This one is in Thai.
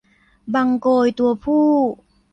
บังโกรยตัวผู้